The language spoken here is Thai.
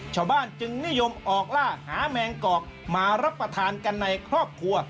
ชาวบ้านจึงนิยมออกล่าหาแมงกอกมารับประทานกันในครอบครัว